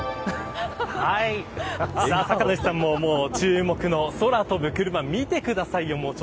酒主さんも注目の空飛ぶクルマ、見てくださいよ。